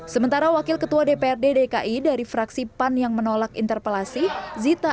sementara wakil ketua dprd dki dari fraksi pan yang menolak interpelasi zita